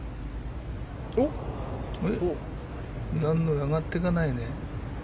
上がっていかないね。